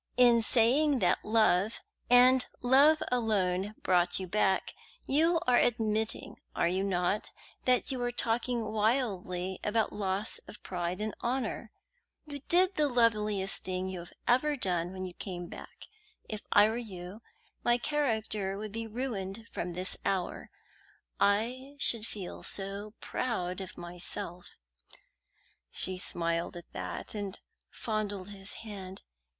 In saying that love, and love alone, brought you back, you are admitting, are you not, that you were talking wildly about loss of pride and honour? You did the loveliest thing you have ever done when you came back. If I were you, my character would be ruined from this hour I should feel so proud of myself." She smiled at that, and fondled his hand.